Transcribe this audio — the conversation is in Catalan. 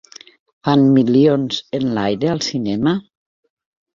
Fan "Milions enlaire" al cinema?